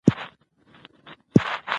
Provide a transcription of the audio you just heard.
هغه مکې ته د تګ هیله لري.